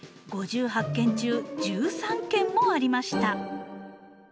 ５８件中１３件もありました。